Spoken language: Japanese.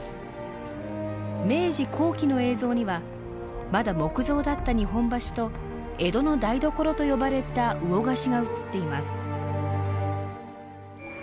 明治後期の映像にはまだ木造だった日本橋と江戸の台所と呼ばれた魚河岸が映っています。